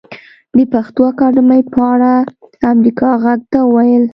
د پښتو اکاډمۍ په اړه امريکا غږ ته وويل